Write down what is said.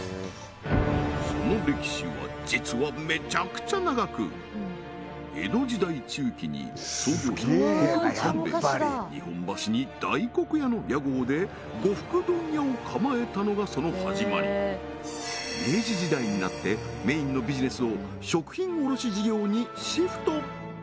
その歴史は実はめちゃくちゃ長く江戸時代中期に創業者・國分勘兵衛が日本橋に大国屋の屋号で呉服問屋を構えたのがその始まり明治時代になってメインのビジネスを食品卸事業にシフト